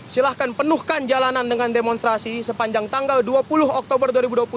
silahkan penuhkan jalanan dengan demonstrasi sepanjang tanggal dua puluh oktober dua ribu dua puluh satu